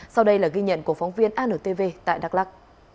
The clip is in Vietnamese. sau đây là ghi nhận của phóng viên antv tại đắk lắc